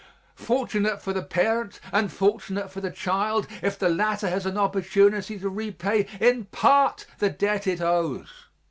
Fortunate for the parent and fortunate for the child if the latter has an opportunity to repay in part the debt it owes.